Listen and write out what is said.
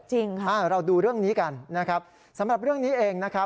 จริงค่ะเราดูเรื่องนี้กันนะครับสำหรับเรื่องนี้เองนะครับ